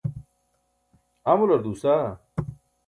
amular duusaa